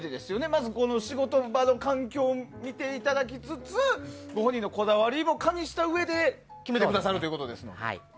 まず、この仕事場の環境を見ていただきつつご本人のこだわりも加味したうえで決めてくださるということで。